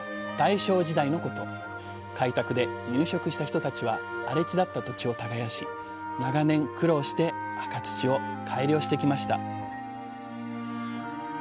開拓で入植した人たちは荒れ地だった土地を耕し長年苦労して赤土を改良してきました